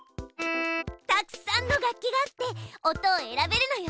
たくさんの楽器があって音を選べるのよ。